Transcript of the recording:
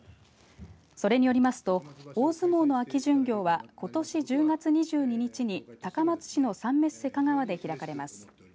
それによりますと大相撲の秋巡業はことし１０月２２日に高松市のサンメッセ香川で開かれます。